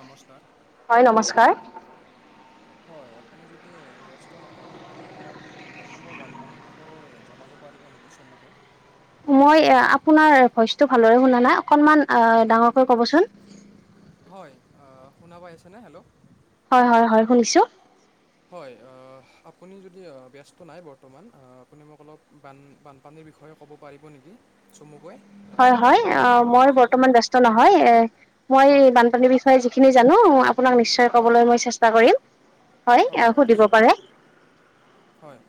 নমস্কাৰ। হয় নমস্কাৰ। হয় আপুনি যদি ব্যস্ত নহয় মোক অলপ অসমৰ বানপানীৰ বিষয়ে জনাব পাৰি ৰিব নেকি চমুকৈ। মই আপোনাৰ ভইচটো ভালদৰে শুনা নাই অকনমান ডাঙৰকৈ ক'বচোন। হয় শুনা পাইছেনে হেল্ল' হয় হয় হয় শুনিছো। হয় আপুনি যদি ব্যস্ত নাই বৰ্তমান আপুনি মোক অলপ বান বানপানীৰ বিষয়ে ক'ব পাৰিব নেকি চমুকৈ। হয় আহ, হয় অসমৰ অ বানপানীৰ মই বিষয়ে? বৰ্তমান ব্যস্ত নহয় এ মই হয় বানপানীৰ বিষয়ে যিখিনি জানো আপোনাক নিশ্চয় হয় কবলৈ মই চেষ্টা কৰিম। হয় সুধিব পাৰে। হয়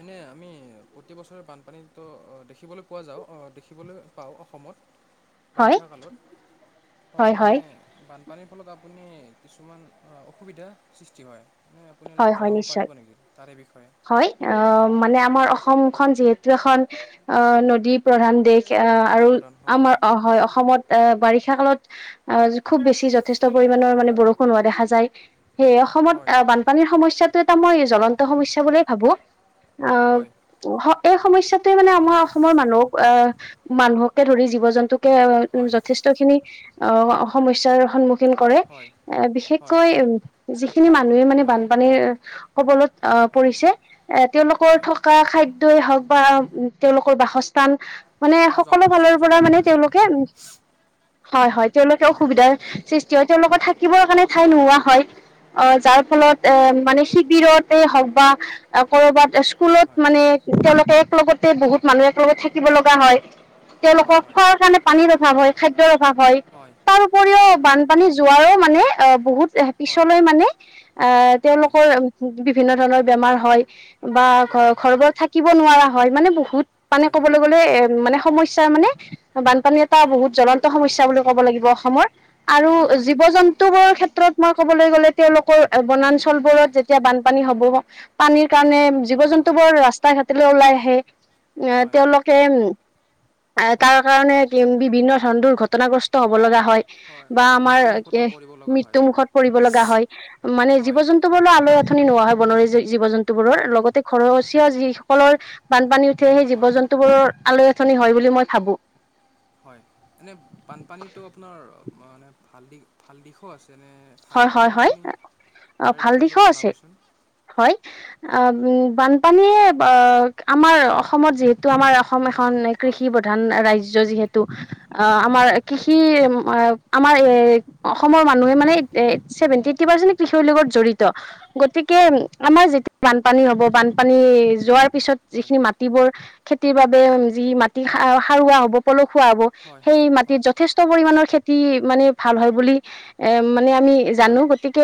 এনে আমি প্ৰতিবছৰে বানপানীটো দেখিবলৈ পোৱা যাওঁ দেখিবলৈ পাওঁ অসমত- হয় বাৰিষা কালত হয় এনে বানপানীৰ ফলত আপুনি কিছুমান অসুবিধাৰ সৃষ্টি হয়। এ আপুনি হয় অলপ হয় জনাব নিশ্চয়। পাৰিব নেকি তাৰে বিষয়ে। হয় অ মানে আমাৰ অসমখন যিহেতু এখন অ নদী প্ৰধান দেশ অ নদী আৰু প্ৰধান হয় আমাৰ অ হয় অসমত অ বাৰিষা। বাৰিষা কালত আহ খুব বেছি যথেষ্ট পৰিমাণৰ মানে বৰষুণ হোৱা দেখা যায়। সেইয়ে অসমত হয় বান সমস্যাটো এটা মই জ্বলন্ত সমস্যা বুলিয়ে ভাবো। অ হয় এই সমস্যাটোৱে মানে আমাৰ অসমৰ মানুহক আহ মানুহকে ধৰি জীৱ জন্তুকে যথেষ্ট খিনি অ সমস্যাৰ সন্মুখীন। কৰে হয় হয় বিশেষকৈ উম যিখিনি মানুহে মানে হয় হয় বানপানীৰ কবলত আহ হয় পৰিছে এ তেওঁলোকৰ হয় থকা খাদ। হওক বা তেওঁলোকৰ বাসস্থান। মানে কা সকলো জগা জ- ফালৰ পৰা জগাই মানে হয় হয় তেওঁলোকে উ হয় হয় তেওঁলোকে হয় অসুবিধাৰ সৃষ্টি এ তেওঁলোকৰ থাকিবৰ কাৰণে ঠাই নোহোৱা হয় আহ যাৰ ফলত এ হয় মানে শিবিৰতে হওক বা কৰ'বাত হয় হয় হয় স্কুলত মানে তেওঁলোকে লগতে বহুত মানুহ এক লগত থাকিব লগা হয়। হয় হয় তেওঁলোকক খোৱাৰ কাৰণে পানীৰ অভাৱ হয়। খাদ্যৰ অভাৱ হয় তাৰ উপৰিও হয় বানপানী যোৱাৰও মানে অ বহুত এ হয় পিছলৈ মানে আহ হয় তেওঁলোকৰ বিভিন্ন ধৰণৰ বেমাৰ হয়। বা ঘ বেমাৰ হয় ঘৰ ব হয় থাকিব নোৱাৰা হয় মানে বহুত মানে হয় হয় ক'বলৈ হয় গ'লে এ মানে সমস্যা তাৰ মানে বানপানী এটা হয় বহুত জ্বলন্ত সমস্যা বুলি কব লাগিব অসমৰ। আৰু হয় হয় হয় জীৱ জন্তুবোৰৰ ক্ষেত্ৰত মই ক'বলৈ গলে তেওঁলোকৰ বনা চল বোৰত হয় যেতিয়া বানপানী হব পানীৰ কাৰণে জীৱ হয় জন্তু বোৰ ৰাস্তা ঘাটলৈ ওলাই আহে এ হয় তেওঁলোকে উ হয় তাৰ কাৰণে বিভিন্ন ধ দূৰ ঘটনাগ্ৰস্ত হব লগা হয় বা আমাৰ মৃত্যুৰ মুখতো পৰিব লগা হয় মৃত্যু মুখত পৰি লগা হয় মানে জীৱ হয় জন্তু আঁঠনি নোহোৱা হয় বনৰিয়া জীৱ জন্তু বোৰৰ হয় হয় লগতে ঘৰচীয়া যিসকলৰ বানপানী সেই হয় জীৱ জন্তু বোৰৰ আলৈ আথনি হয় বুলি মই ভাবো। হয় এনে বানপানীতো আপোনাৰ মানে ভাল দিশ ভাল দিশোও আছে। তেনে ভাল হয় হয় বুলি হয় আপুনি অ তাৰ ভাল বিষয়ে অলপ জনাবচোন। অ বানপানীয়ে আমাৰ অসমত যিহেতু তটো আমাৰ অসম হুম এখন হুম হয় কৃষি প্ৰধান ৰাজ্য যিহেতু অ হয় আমাৰ কৃষি আমাৰ এ অসমৰ মানুহে মানে সেৱেণ্টি এটটি পাৰ্চেন্ত কৃষিৰ লগত জড়িত গতিকে হয় আমাৰ য পানী হ'ব বানপানী যোৱাৰ পিছত হয় যিখিনি মাটিবোৰ খেতিৰ বাবে হয় যি মাটি সাৰুৱা হব পল খোৱা হব হয় হয় সেই মাটিত হয় যথেষ্ট পৰিমাণৰ খেতি মানে ভাল হয় বুলি এ মানে আমি হয় জানো গতিকে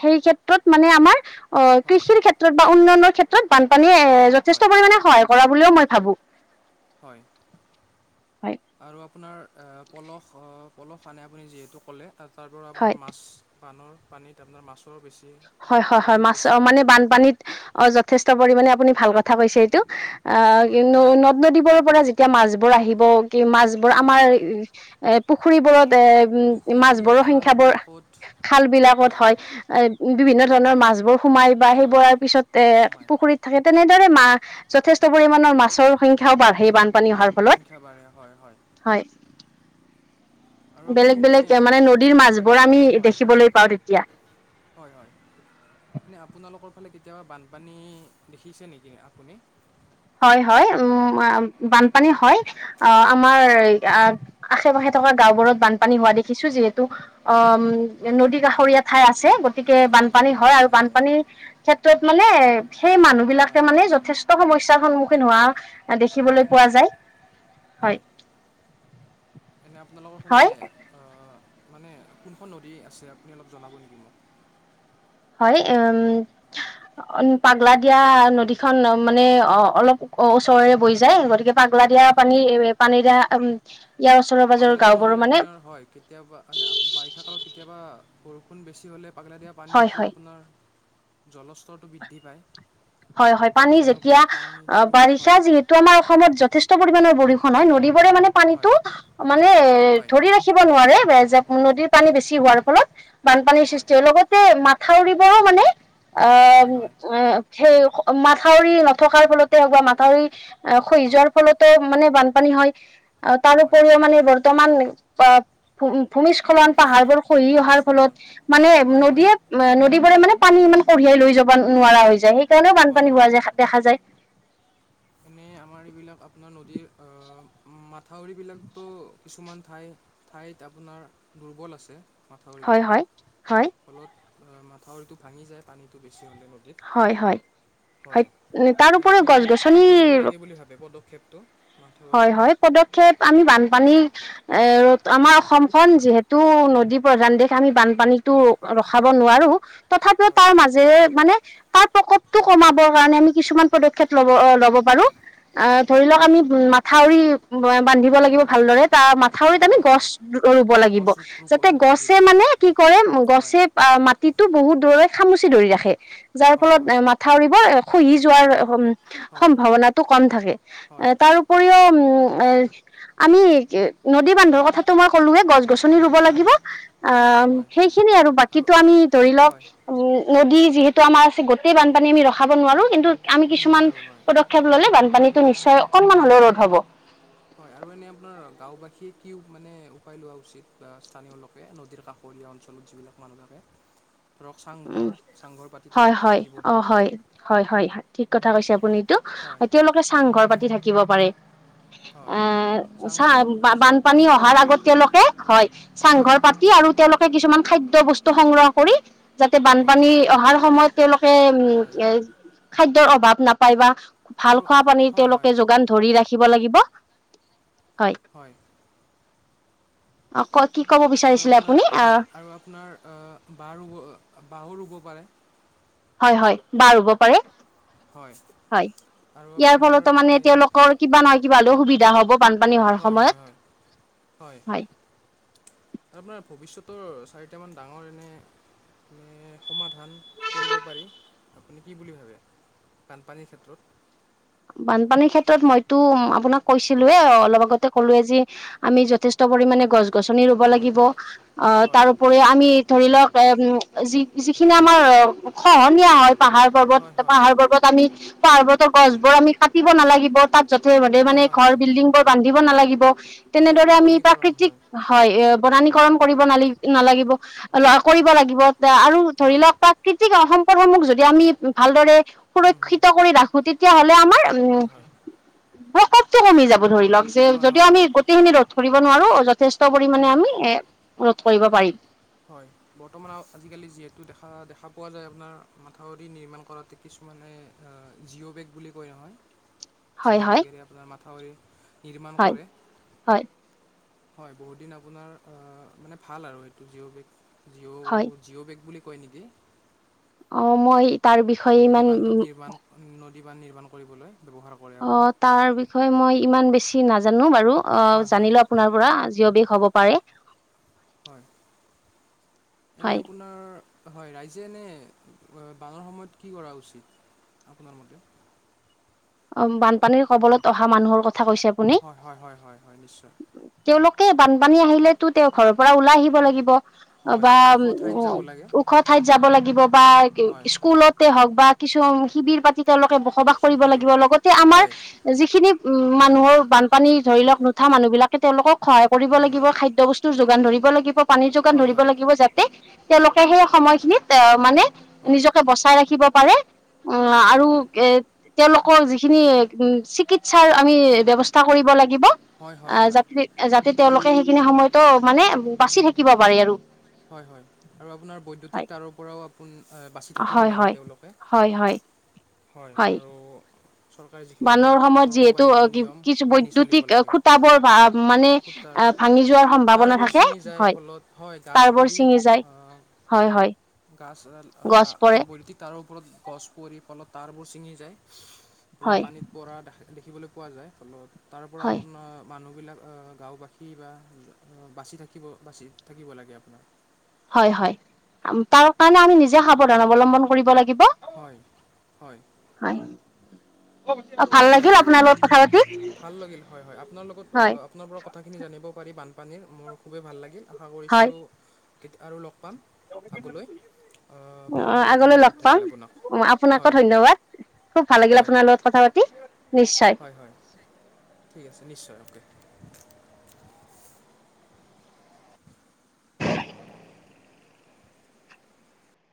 সেই ক্ষেত্ৰত মানে আমাৰ অ হয় কৃষিৰ ক্ষেত্ৰত বা উন্নয়নৰ ক্ষেত্ৰত বানপানীয়ে এ যথেষ্ট হয় পৰিমণে সহায় কৰা বুলিও মই ভাবো। হয় হয় আৰু আপোনাৰ পলস পলস আনে আপুনি যিহেতু ক'লে তাৰ পৰা আপোনাৰ হয় মাছ পানৰ পানীত আপোনাৰ মাছ হয় হয় হয় মাছ অ মানে বানপানীত অ যথেষ্ট পৰিমাণে আপুনি ভাল কথা কৈছে এইটো আহ হয় নদ নদীৰ পৰা এতিয়া মাছবোৰ আহিব কি মাছবোৰ আমাৰ হয় এ পুখুৰীবোৰত এ উম পুখুৰী মাছবোৰৰ সংখ্যা বোৰ খালবিলাকত খাল বিলাকত হয় এ বিভিন্ন ধৰণৰ মাছবোৰ সোমাই বা হয় সেইবোৰৰ পিছত সোমায় পুখুৰীত থাকে। তেনেদৰে মা যথেষ্ট পৰিমাণৰ মাছৰ সংখ্যাও বাঢ়ে বান পানী অহাৰ ফলত সংখ্যা বাঢ়ে হয় হয়। আৰু আপুনি বেলেগ বেলেগ এনে মানে নদীৰ মাছবোৰ আমি হয় দেখিবলৈ পাও তেতিয়া হয় হয়। এনে আপোনালোকৰ ফালে কেতিয়াবা বানপানী দেখিছে নিকি আপুনি? হয় হয় উ বানপানী হয় অ আমাৰ আশে পাশে থকা গাও বোৰত বানপানী হোৱা দেখিছো যিহেতু অ উ হয় নদী কাষৰীয়া ঠাই আছে গতিকে বানপানী নদী হয় হৈ আৰু থাকে বানপানীৰ ক্ষেত্ৰত মানে সেই মানুহ হয় বিলাকে মানে যথেষ্ট সমস্যা সন্মুখীন হোৱা দেখিবলৈ হয় পোৱা যায় হয়। এনে আপোনালোকৰ ফালে হয় আহ মানে কোনখন নদী আছে আপুনি অলপ জনাব নিকি মোক? হয় উম পাগলা দিয়া নদীখন মানে অ অলপ অ ওচৰৰেৰে বৈ যায় গতিকে পাগলা দিয়া হয় হয় পানী এ পানী দিয়া উম পাগলাদিয়া নদীত আপোনাৰ হয় কেতিয়াবা বাৰিষা কালত কেতিয়াবা বৰষুণ বেছি হ'লে পাগলা দিয়া হয় পানীটো হয় আপোনাৰ জলস্তৰটো বৃদ্ধি পায় হয় হয় পানী ফলত যেতিয়া আপোনাৰ অ পানীটো বাৰিষা হয় যিহেতু আমাৰ অসমত যথেষ্ট পৰিমানৰ বৰষুণ হয় নদী মানে হয় পানীটো মানে হয় ধৰি ৰাখিব নোৱাৰে যে নদীৰ পানী বেছি হোৱাৰ ফলত বানপানীৰ সৃষ্টি হয় লগতে মাথাউৰিবোৰো মানে অ হয় হয় মাথাউৰি নথকাৰ ফলতে হওক বা মাথাউৰি খহি হয় যোৱাৰ ফলতে মানে বান পানী হয় তাৰ হয় উপৰিও মানে বৰ্তমান ভূমিস্খলন পাহাৰবোৰ খহি অহাৰ ফলত ভূমিস্খলন মানে হয় হয় নদীয়ে নদীবোৰে মানে পানী ইমান কঢ়িয়াই লৈ যাব নোৱাৰা হৈ যায় সেইকাৰণে হয় বানপানী হয় হোৱা দে দেখা যায় এনেই আমাৰ এইবিলাক আপোনাৰ নদীৰ মাথাউৰিবিলাকতো কিছুমান ঠাই ঠাইত আপোনাৰ দুৰ্বল আছে হয় মাথাউৰিবিলাক হয় হয় ফলত মাথাউৰিটো ভাঙি যায় পানীটো বেছি হ'লে নদীত হয় হয় হয় এনে তাৰউপৰি আপুনি গছ গছনি কি কৰিব লাগে বুলি ভাবে পদক্ষেপটো মাথাউৰি হয় হয় পদক্ষেপ আমি বানপানী এ ৰ আমাৰ অসমখন যিহেতু নদী প্ৰধান দেশ আমি বানপা পানীটো হয় ৰখাব নোৱাৰো তথাপি হয় তাৰ মাজেৰে মানে তাৰ প্ৰকোপটো হয় কমাব কাৰ কাৰণ আমি কিছুমান পদক্ষেপ লব অ লব পাৰো ধৰি লক হয় আমি মথাউৰি বান্ধিব লাগিব ভালদৰে হয় মাথাউৰিত আমি গছ ভালদৰে ৰুব লাগিব গছ ৰুপ ৰুব যাতে ৰুব লাগিব গছে হয় মানে কি কৰে হয় গছে মাটিটো বহুত দ্বৰে খামুচি ধৰি ৰাখে যাৰ হয় ফলত হয় এ মাথাউৰিব খহি যোৱাৰ হয় সম্ভাৱনাটো কম থাকে হয় তাৰো উম আমি নদী বান্ধৰ কথাটো মই ক'লোৱে গছ গছনি ৰুব হয় লাগিব হয় অ হয় সেইখিনি আৰু বাকীটো আমি ধৰি লওক হয় নদী যিহেতু আমাৰ আছে গোটেই বানপানী আমি ৰখাব নোৱাৰো কিন্তু আমি কিছুমান নোৱাৰোঁ হয় পদক্ষেপ ললে বানপানী টো নিশ্চয় অকনমান হলেও ৰুধ হ'ব হয় আৰু এনে আপোনাৰ গাঁওবাসীয়ে কি মানে উপায় লোৱা উচিত বা স্থানীয় লোকে নদীৰ কাষত ঘৰীয়া অঞ্চলত যিবিলাক মানুহ থাকে ধৰক উম চাংঘৰ চাংঘৰ পাতি হয় তেওঁলোক হয় থাকিব অ পাৰে হয় হয় হয় ঠিক কথা কৈছে আপুনি এইতো হয় তেওঁলোকে চাংঘৰ পাতি থাকিব পাৰে [unintelligible] এ চা চাংঘৰ খুটা যিহেতু বানপানী ওখ অহাৰ হয় আগত তেওঁলোকে হয় চাংঘৰ হয় পাতি আৰু তেওঁলো কে কিছুমান খাদ্য বস্তু সংগ্ৰহ কৰি যাতে হয় বানপানী অহাৰ সময়ত তেওঁলোকে উম হয় এ খাদ্যৰ অভাৱ নাপায় বা ভাল আৰু খোৱা পানী হয় হয় তেওঁলোকে যোগান ধৰি ৰাখিব লাগিব হয় অ কয় আৰু আপোনাৰ হয় আৰু আপোনাৰ অ বাঁহ ৰুব বাঁহো ৰুব পাৰে। হয় হয় বাহঁ ৰুব পাৰে হয় আৰু ইয়াৰ আপোনাৰ ফলতো মানে এই তেওঁলোকৰ কিবা নহয় কিবা হ'লেও সুবিধা হ'ব। বানপানী হোৱাৰ হয় হয় সময়ত হয় হয়। আপোনাৰ ভৱিষ্যতৰ চাৰিটামান ডাঙৰ এনে এ সমা ধান কৰিব পাৰি আপুনি কি বুলি ভাবে বানপানীৰ ক্ষেত্ৰত- বানপানীৰ ক্ষেত্ৰত মইতো আপোনাক কৈছিলোয়ে অলপ আগতে ক'লোৱয়ে যে আমি যথেষ্ট পৰিমানে গছ গছনি ৰুব হয় লাগিব অ হয় তাৰউপৰি আমি ধৰি লওক- এ উ যি যিখিনি আমাৰ খহনীয়া হয় পাহাৰ পৰ্বত হয় হয় পাহাৰ পৰ্বত আমি পাহাৰবোৰতো গছ হয় কাটিব নালাগিব তাত যতে মধে হয় মানে হয় ঘৰ হয় হয় বিল্ডিং বোৰ বান্ধিব নালাগিব ব- তেনেদৰে আমি বনীকৰণ প্ৰাকৃতিক হয় অ বনানিক কৰণ নালা নালাগিব অ হয় কৰিব লাগিব আৰু ধৰ হয় লওক প্ৰাকৃতিক সম্প পথ সমূহ যদি আমি ভালদৰে হুম, হুম, সুৰক্ষিত কৰি ৰাখো তেতিয়া হলে। হ'লে আমাৰ হয় হয় ব্ৰকট টো কমি যাব ধৰি লওক যে হয় যদিও হয় আমি হয় গোটেইখিনি ৰ'দ ধৰিব নোৱাৰো যথেষ্ট পৰিমণে হয় আমি কৰিব পাৰিম। হয় বৰ্তমান আজিকালি যিহেতু দেখা দেখা পোৱা যায় আপোনাৰ মাথাউৰি নিৰ্মাণ কৰাতে কিছু মানে জিঅ' বেগ বুলি কয় নহয়। হয় যিও হয় বেগেৰে আপোনাৰ মাথাউৰি নিৰ্মাণ হয় কৰে হয় হয় বহুত দিন আপোনাৰ মানে ভাল আৰু জিঅ' বেগ হয় জিঅ' জিঅ' বেগ বুলি ক নেকি? অ মই তাৰ বিষয়ে নদী ইমান বান্ধত নিৰ্মাণ নদী বান্ধ নিৰ্মাণ কৰিবলৈ ব্যৱহাৰ কৰে অ আপোনাৰ তাৰ বিষয়ে মই ইমান বেছি নাজানো বাৰু অ হয় হয় জানিলো আপোনাৰ পৰা জিঅ বেগ হব পাৰে হয় এনে হয় আপোনাৰ হয় ৰাইজে এনে বানৰ সময়ত কি কৰা উচিত। আপোনাৰ মতে অ বানপানীৰ কবলত অহা মানুহৰ কথা কৈছে আপুনি হয় হয় হয় হয় হয় নিশ্চয়। তাকে বানপানী আহিলে তো তেওঁৰ ঘৰৰ পৰা ওলাই আহিব লাগিব। হয় বা ওখ ঠাইত উ যাব লাগে ওখ ঠাইত যাব লাগিব বা হয় স্কুলতে হওক বা কিছু শিবিৰ পাতি তেওঁলোকে বসবাস কৰিব লাগে। শিবিৰত দিব লগতে আমাৰ হয় যিখিনি উ হয় হয় মানুহৰ বানপানী ধৰি লওক নুঠা মানুহ বিলাকে তেওঁলোকক সহায় কৰিব হয় লাগিব হয় খাদ্যয় বস্তুৰ যোগান ধৰিব লাগিব পানীৰ যোগান হয় হয় ধৰিব হয় লাগিব যাতে তেওঁলোকে সেই সময়খিনিত আহ মানে হয় নিজকে বচাই ৰাখিব পাৰে। অ আৰু হয় হয় এ তেওঁলোকৰ যিখিনি চিকিৎসাৰ আমি ব্যৱস্থা কৰিব লাগে। হয় লাগিব যাতে যাতে তেওঁলোকে সেইখিনি সময়তো মানে বাচি থাকিব পাৰে আৰু হয় আপোনাৰ বৈদ্যুতিক হয়। টাৰৰ পৰাও বাচি থাকিব হয় লাগে হয় তেওঁলোকে হয় হয় হয় আৰু চৰকাৰে যিখিনি বানৰ সময়ত যিহেতু সতৰ্কবাণী বা নিয়ম কিছু মানি চলিব বৈদ্যুতিক লাগে খুটাবোৰ বা মানে ফুটাৰ অ ভাঙি যোৱাৰ সম্ভাৱনা তাঁৰবোৰ থাকে হয় টাৰবোৰ অ চি গাছ গছ লা পৰে লা বৈদ্যুতিক টাৰ ওপৰত গছ পৰি ফলত পাৰ বোৰ চিঙি যায় ফলত হয় পানীত পৰা দেখা দেখিবলৈ পোৱা যায় ফলত তাৰ পৰা হয় আপোনাৰ মানুহ বিলাক গাঁওবাসী বা বাচি থাকিব বাচি থাকিব লাগে আপোনাৰ হয় হয় তাৰ কাৰণে আমি নিজে সাৱধান অৱলম্বন কৰিব লাগিব। হয় হয় লাগিব হয়। অ ভাল হয় লাগিল আপোনাৰ লগত কথা পাতি ভাল লাগিল হয় হয় আপোনাৰ লগত হয় আপোনাৰ পৰা কথাখিনি জানিব পাৰি বান পানীৰ মোৰ খুবেই ভাল লাগিল আশা হয় কৰিছোঁ আৰু লগ পাম আগলৈ আহ, বহুত অহ বহুত আগলৈ লগ ধন্যবাদ থাকিল পাম আপোনাক অহ আপোনাকো হয় ধন্যবাদ খুব ভাল লাগিল হয় আপোনাৰ লগত কথা পাতি নিশ্চয় হয় হয় নিশ্চয় ঠিক আছে নিশ্চয় অকে